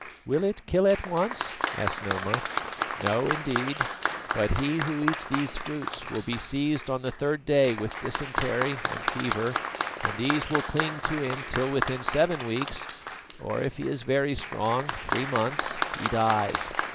"Will it kill at once?" asked Noma. "No, indeed; but he who eats these fruits will be seized on the third day with dysentery and fever, and these will cling to him till within seven weeks or if he is very strong, three months he dies.